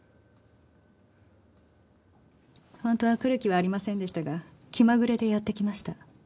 本当は来る気はありませんでしたが気まぐれでやって来ました。